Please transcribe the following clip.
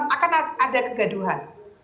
akan ada kegaduhan